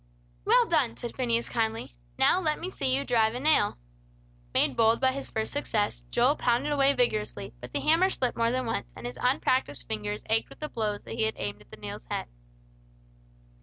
"Well done!" said Phineas, kindly. "Now let me see you drive a nail." Made bold by his first success, Joel pounded away vigorously, but the hammer slipped more than once, and his unpractised fingers ached with the blows that he had aimed at the nail's head.